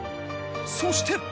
そして。